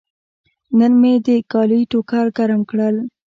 نن مې د کالي ټوکر ګرم کړل.